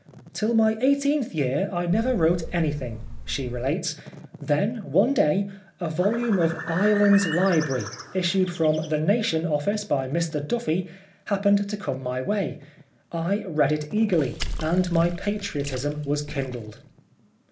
" Till my eighteenth year, I never wrote any thing," she relates, " Then, one day, a volume of ' Ireland's Library,' issued from The Nation office by Mr Duffy, happened to come my way. I read it eagerly, and my patriotism was kindled."